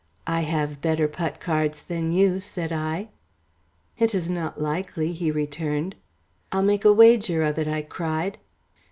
"I have better putt cards than you," said I. "It is not likely," he returned. "I'll make a wager of it," I cried.